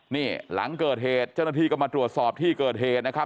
นี่หลังเกิดเหตุเจ้าหน้าที่ก็มาตรวจสอบที่เกิดเหตุนะครับ